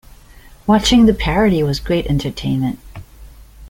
Watching the parody was great entertainment.